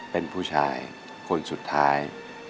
เป็นผู้ชายคนสุดท้าย